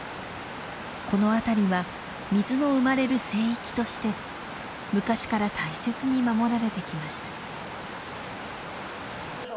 この辺りは水の生まれる聖域として昔から大切に守られてきました。